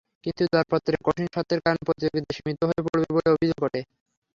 কিন্তু দরপত্রে কঠিন শর্তের কারণে প্রতিযোগিতা সীমিত হয়ে পড়বে বলে অভিযোগ ওঠে।